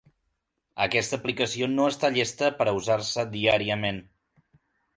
Aquesta aplicació no està llesta per a usar-se diàriament.